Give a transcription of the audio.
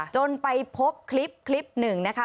จนไปพบคลิปคลิปหนึ่งนะคะ